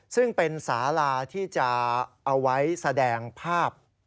ซึ่งเป็นสาลาที่จะเอาไว้แสดงภาพ